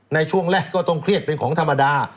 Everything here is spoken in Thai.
ในช่วงแรกก็ต้องเครียดเป็นของธรรมดา